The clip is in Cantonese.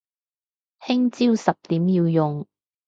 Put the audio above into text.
聽朝十點要用